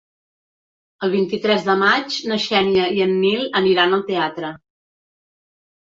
El vint-i-tres de maig na Xènia i en Nil aniran al teatre.